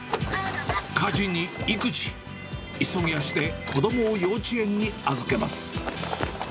家事に育児、急ぎ足で子どもを幼稚園に預けます。